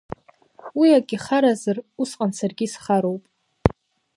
Уи ак ихаразар, усҟан саргьы исхароуп!